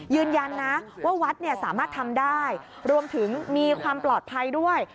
ยืนยันนะว่าวัดเนี่ยสามารถทำได้รวมถึงมีความปลอดภัยด้วย